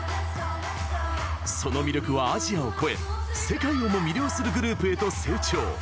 その魅力はアジアを越え世界をも魅了するグループへと成長。